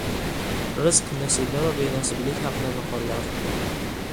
Rizq-nasiba va benasiblik haqida maqollar.